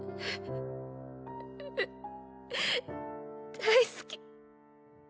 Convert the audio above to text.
大好き。